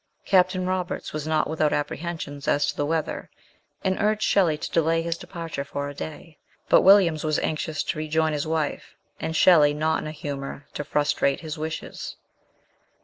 Captain Roberts was not without apprehensions as to the weather, and urged Shelley to delay his departure for a day ; but Williams was anxious to rejoin his wife, and Shelley not in a humour to frustrate his wishes.